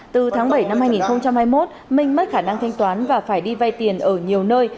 từ tháng bảy năm hai nghìn hai mươi một minh mất khả năng thanh toán và phải đi vay tiền ở nhiều nơi